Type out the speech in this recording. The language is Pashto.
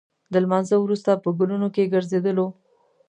د لمانځه وروسته په ګلونو کې ګرځېدلو.